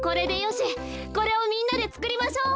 これをみんなでつくりましょう。